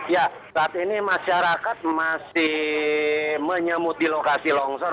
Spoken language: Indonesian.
ya saat ini masyarakat masih menyemut di lokasi longsor